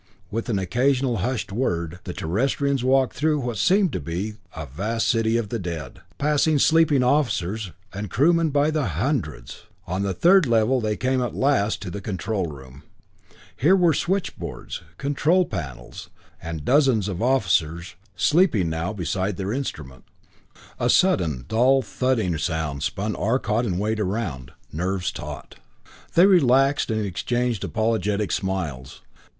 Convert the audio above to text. With an occasional hushed word, the Terrestrians walked through what seemed to be a vast city of the dead, passing sleeping officers, and crewmen by the hundreds. On the third level they came at last to the control room. Here were switchboards, control panels, and dozens of officers, sleeping now, beside their instruments. A sudden dull thudding sound spun Arcot and Wade around, nerves taut. They relaxed and exchanged apologetic smiles.